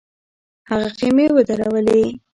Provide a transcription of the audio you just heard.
هغه خېمې ودرولې.